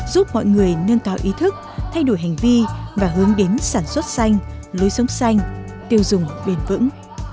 giúp mọi người nâng cao ý thức thay đổi hành vi và hướng đến sản xuất xanh lối sống xanh tiêu dùng bền vững